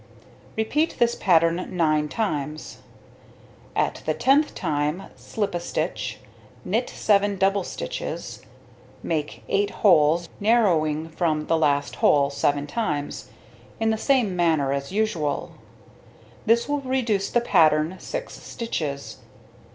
Repeat this pattern 9 times: at the 10th time slip a stitch, knit 7 double stitches, make 8 holes, narrowing from the last hole, 7 times, in the same manner as usual; this will reduce the pattern 6 stitches.